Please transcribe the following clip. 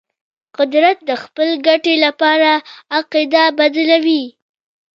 قدرت د خپل ګټې لپاره عقیده بدلوي.